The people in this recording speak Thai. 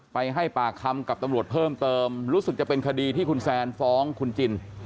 ไปให้ปากคำกับตำรวจเพิ่มเติมรู้สึกจะเป็นคดีที่คุณแซนฟ้องคุณจิน